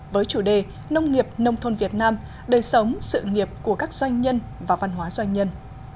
với chủ đề nông nghiệp nông thôn việt nam đời sống sự nghiệp của các doanh nhân và văn hóa doanh nhân